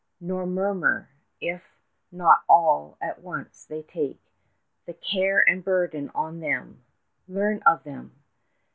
36 Nor murmur if not all at once they take The care and burden on them. Learn of them!